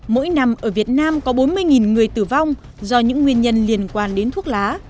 mỗi năm ở việt nam có bốn mươi người tử vong do những nguyên nhân liên quan đến thuốc lá